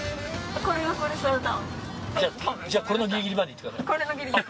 じゃあこれのギリギリまで行ってください。